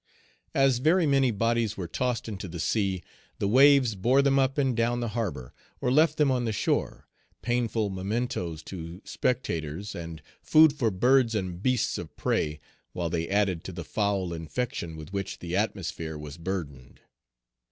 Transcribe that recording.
As very many bodies were tossed into the sea, the waves bore them up and down the harbor, or left them on the shore, painful mementos to spectators, and food for birds and beasts of prey, while they added to the foul infection with which the atmosphere was burdened.